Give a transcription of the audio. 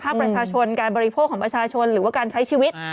ประชาชนการบริโภคของประชาชนหรือว่าการใช้ชีวิต